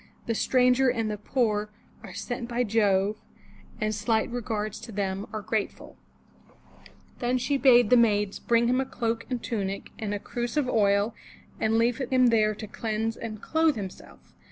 The stranger and the poor Are sent by Jove, and slight regards to them Are grateful^ Then she bade the maids bring him a cloak and tunic and a cruse of oil and leave him there to cleanse and clothe himself.